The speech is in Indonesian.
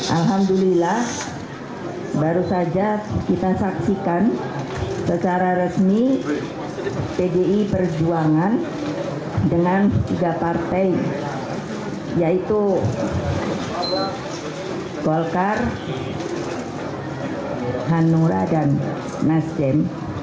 alhamdulillah baru saja kita saksikan secara resmi pdi perjuangan dengan tiga partai yaitu golkar hanura dan nasjem